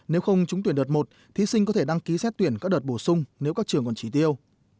nếu không trúng tuyển đợt một thí sinh có thể đăng ký xét tuyển các đợt bổ sung nếu các trường còn chỉ tiêu